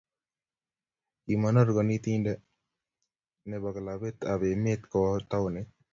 Kimonor konetinte ne bo klabit ab emet kowo taonit.